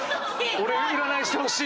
俺占いしてほしいのに。